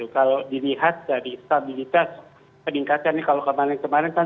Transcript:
kalau dilihat dari stabilitas peningkatan kalau kemarin kemarin kan satu delapan ratus satu tujuh ratus